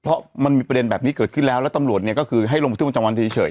เพราะมันมีประเด็นแบบนี้เกิดขึ้นแล้วแล้วตำรวจเนี่ยก็คือให้ลงบันทึกประจำวันเฉย